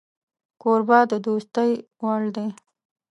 کوربه د دوستۍ وړ دی